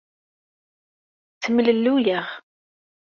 Ttemlelluyeɣ.